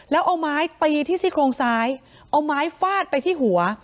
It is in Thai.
แล้วเอาไม้ตีที่ซี่โครงซ้ายเอาไม้ฟาดไปที่หัว